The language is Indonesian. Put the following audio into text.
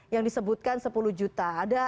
yang disebutkan sepuluh juta